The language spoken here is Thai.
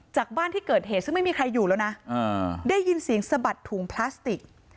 จากบ้านที่เกิดเหตุซึ่งไม่มีใครอยู่แล้วนะได้ยินเสียงสะบัดถุงพลาสติก